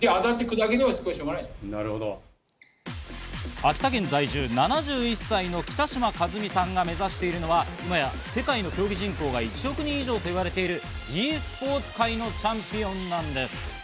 秋田県在住７１歳の北嶋一美さんが目指してるのは今や世界の競技人口が１億人以上と言われているｅスポーツ会のチャンピオンなんです。